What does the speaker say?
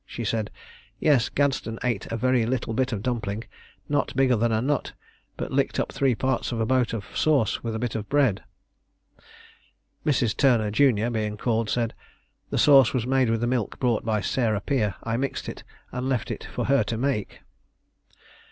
She said, "Yes; Gadsden ate a very little bit of dumpling, not bigger than a nut; but licked up three parts of a boat of sauce with a bit of bread." Mrs. Turner, jun., being called, said "The sauce was made with the milk brought by Sarah Peer. I mixed it, and left it for her to make."